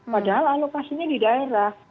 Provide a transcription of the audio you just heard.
padahal alokasinya di daerah